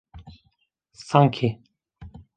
Sanki.